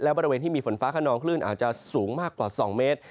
และบริเวณที่มีฝนฟ้าขนองคลื่นอาจจะสูงมากกว่า๒เมตร